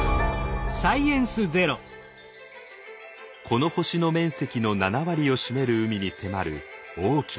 この星の面積の７割を占める海に迫る大きな危機。